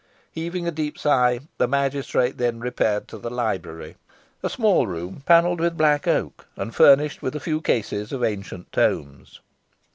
Heaving a deep sigh, the magistrate then repaired to the library, a small room panelled with black oak, and furnished with a few cases of ancient tomes.